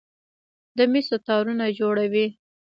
د مسو تارونه جوړوي.